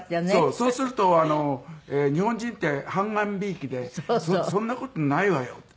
そうすると日本人って判官びいきでそんな事ないわよって。